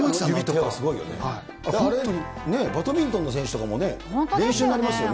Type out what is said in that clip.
本当に、バドミントンの選手とかも、練習になりますよね。